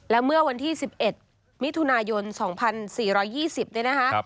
และเมื่อวันที่๑๑มิถุนายน๒๔๒๐เนี่ยนะคะ